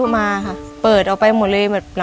เมื่อ